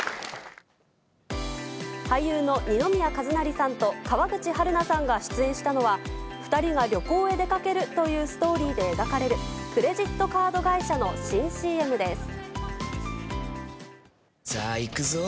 俳優の二宮和也さんと川口春奈さんが出演したのは、２人が旅行へ出かけるというストーリーで描かれるクレジットカーさあ、行くぞ。